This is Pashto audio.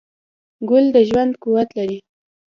ګل د ژوند قوت لري.